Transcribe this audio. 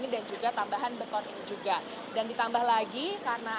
dan yang terdapat di atas